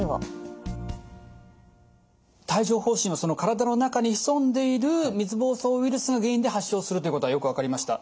帯状ほう疹は体の中に潜んでいる水ぼうそうウイルスが原因で発症するということはよく分かりました。